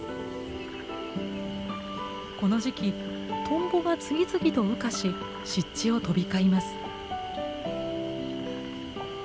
この時期トンボが次々と羽化し湿地を飛び交います。